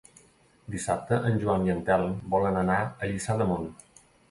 Dissabte en Joan i en Telm volen anar a Lliçà d'Amunt.